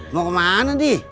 mau kemana di